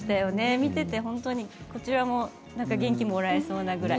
見ていてこちらも元気をもらえそうなぐらい。